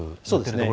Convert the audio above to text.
そうです。